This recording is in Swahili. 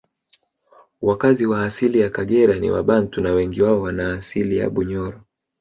Wakazi wa asili ya Kagera ni wabantu na wengi wao wanaasili ya Bunyoro